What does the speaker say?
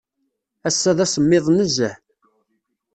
Ass-a d asemmiḍ nezzeh.